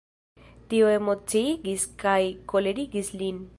Tio emociigis kaj kolerigis lin.